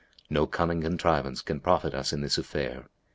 No cunning contrivance can profit us in this affair."